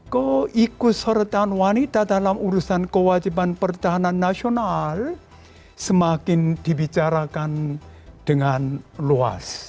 ketika diperhatikan wanita dalam urusan pertahanan nasional semakin dibicarakan dengan luas